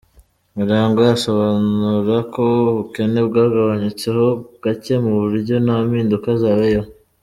Murangwa asobanura ko ubukene bwagabanyutseho gake ku buryo nta mpinduka zabayeho.